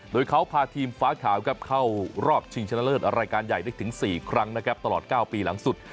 โดยเขาพาทีมฟ้าขาวครับเข้ารอบชิงชนะเลิศรายการใหญ่ได้ถึง๔ครั้งนะครับตลอด๙ปีหลังสุด